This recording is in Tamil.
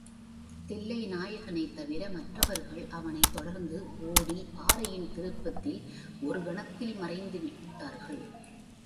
தில்லைநாயகத்தைத் தவிர, மற்றவர்கள் அவனைத் தொடர்ந்து ஓடிப் பாறையின் திருப்பத்தில் ஒரு கணத்தில் மறைந்துவிட்டார்கள்.